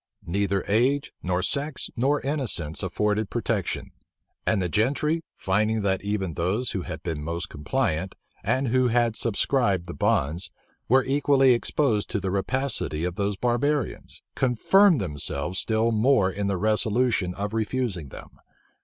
Neither age, nor sex, nor innocence afforded protection; and the gentry, finding that even those who had been most compliant, and who had subscribed the bonds, were equally exposed to the rapacity of those barbarians, confirmed themselves still more in the resolution of refusing them.